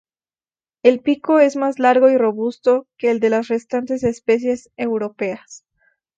El pico es más largo y robusto que el de las restantes especies europeas.